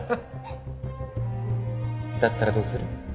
だったらどうする？